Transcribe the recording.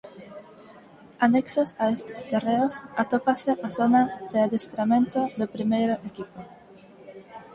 Anexos a estes terreos atópase a zona de adestramento do primeiro equipo.